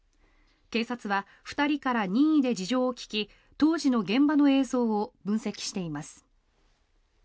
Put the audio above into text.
警察は２人から任意で事情を聴き当時の現場の映像を分析しています。